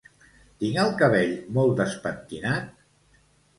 Tinc el cabell molt despentinat?